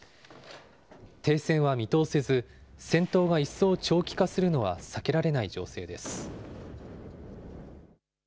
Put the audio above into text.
停戦は見通せず、戦闘が一層長期化するのは避けられない情勢です。